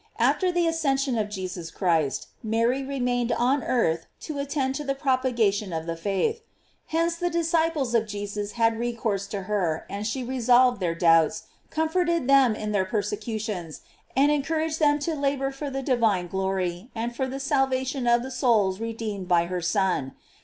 After the ascension of Jesus Christ, Mary remained on earth to attend to the propagation of the faith. Hence the disciples of Jesus had recourse to her, and she resolved their doubts, comforted them in their persecutions, and encouraged them to labor for the divine glory and for the salvation of the souls redeemed by her Son.